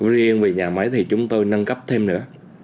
riêng về nhà máy thì chúng tôi nâng cấp thêm nữa